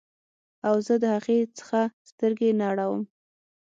او زه د هغې څخه سترګې نه اړوم